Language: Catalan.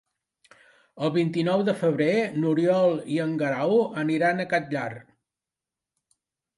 El vint-i-nou de febrer n'Oriol i en Guerau aniran al Catllar.